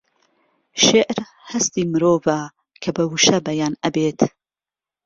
شێعر هەستی مرۆڤە کە بە وشە بەیان ئەبێت